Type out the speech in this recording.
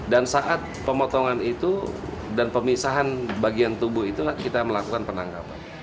dan saat pemotongan itu dan pemisahan bagian tubuh itu kita melakukan penangkapan